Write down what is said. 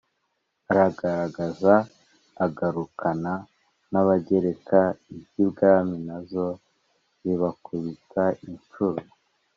aragagaza agarukana abagereka, iz'ibwami nazo zibakubita inshuro,